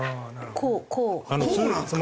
こうなんですか？